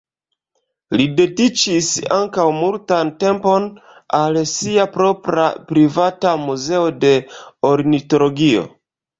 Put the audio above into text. Li dediĉis ankaŭ multan tempon al sia propra privata muzeo de ornitologio.